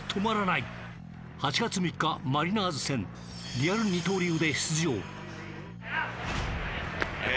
リアル二刀流で出場。